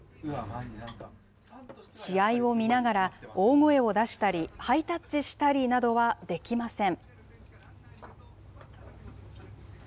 試合を見ながら、大声を出したり、ハイタッチしたりなどはできません。